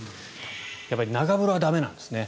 やっぱり長風呂は駄目なんですね。